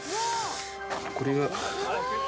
「これが」